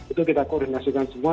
itu kita koordinasikan semua